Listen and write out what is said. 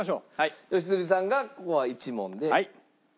良純さんがここは１問でステイ。